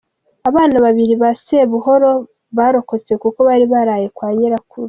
Abana babiri ba Sebuhoro barokotse kuko bari baraye kwa nyirakuru.